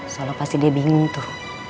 soalnya pasti dia bingung tuh